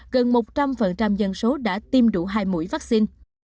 gần một trăm linh dân số đã tiêm đủ hai mũi vaccine